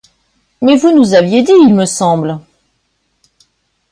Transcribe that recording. Mais vous nous aviez dit, il me semble.